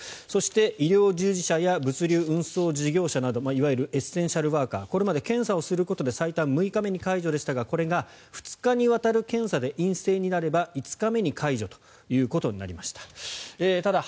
そして、医療従事者や物流・運送事業者などいわゆるエッセンシャルワーカーこれまで検査することで最短６日目に解除でしたがこれが２日にわたる検査で陰性になれば５日目に解除となりました。